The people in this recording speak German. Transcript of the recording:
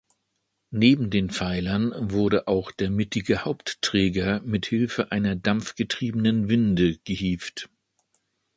Neben den Pfeilern wurde auch der mittige Hauptträger mithilfe einer dampfgetriebenen Winde gehievt.